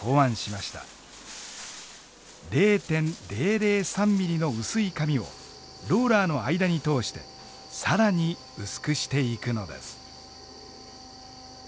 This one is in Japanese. ０．００３ミリの薄い紙をローラーの間に通して更に薄くしていくのです。